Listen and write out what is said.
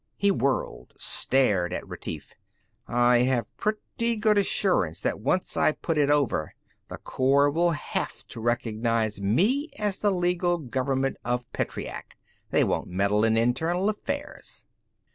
He whirled, stared at Retief. "I have pretty good assurance that once I put it over, the Corps will have to recognize me as the legal government of Petreac. They won't meddle in internal affairs."